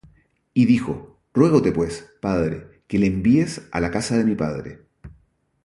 Y dijo: Ruégote pues, padre, que le envíes á la casa de mi padre;